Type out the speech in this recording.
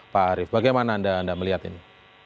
pak arief bagaimana anda melihat ini